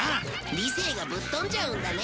理性がぶっ飛んじゃうんだね